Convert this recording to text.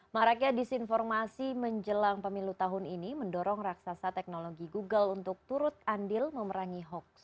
marakya disinformasi menjelang pemilu tahun ini mendorong raksasa teknologi google untuk turut andil memerangi hoax